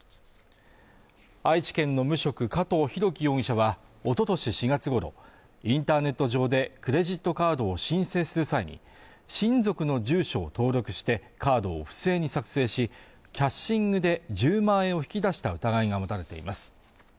愛知県の無職加藤浩樹容疑者は、おととし４月ごろ、インターネット上でクレジットカードを申請する際に、親族の住所を登録して、カードを不正に作成し、キャッシングで１０万円を引き出した疑いが持たれています。